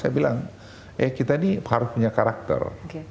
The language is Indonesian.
saya bilang eh kita ini harus punya karakter